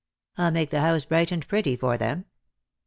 I'll make the house bright and pretty for them.